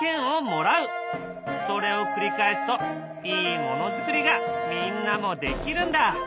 それを繰り返すといいものづくりがみんなもできるんだ。